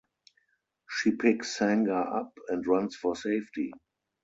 She picks Sangha up and runs for safety.